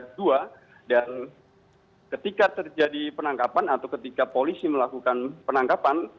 dan ketika terjadi penangkapan atau ketika polisi melakukan penangkapan